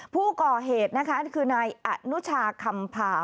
ผู้ก่อเหตุนะคะคือนายอนุชาคำพา